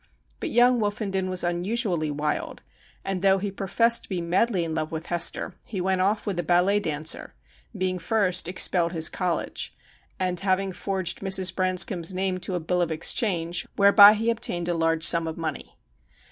But young Woofen den was unusually wild, and, though he professed to be madly in love with Hester, he went off with a ballet dancer, being first expelled his college, and having forged Mrs. Branscombe's name to a bill of exchange, whereby he obtained a large sum of money.